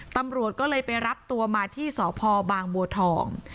ตำรวจก็เลยไปรับตัวมาที่สพบางบัวทอง